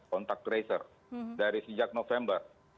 kontak tracer dari sejak november